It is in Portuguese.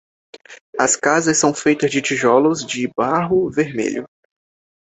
As casas são feitas de tijolos de barro vermelho.